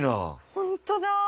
ホントだ。